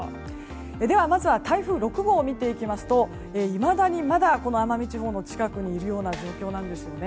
では、まずは台風６号を見ていきますといまだに奄美地方の近くにいる状況なんです。